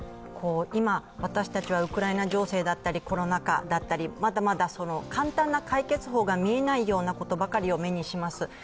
今、私たちはウクライナ情勢だったり、コロナ禍だったりまだまだ簡単な解決法が見えないようなことばかりを目にします。